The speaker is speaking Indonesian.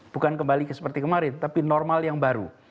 bukan kembali seperti kemarin tapi normal yang baru